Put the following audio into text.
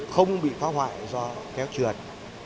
không bị phá hoại do kéo trượt